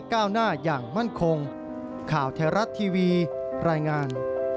ของข่าวแท้รัฐทีวีรายงาน